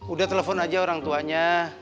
udah telepon aja orang tuanya